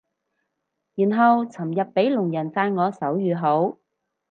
然後尋日俾聾人讚我手語好